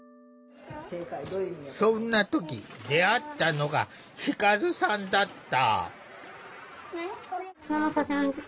そんな時出会ったのが輝さんだった。